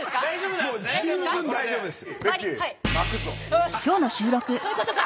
よしそういうことか。